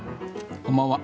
こんばんは。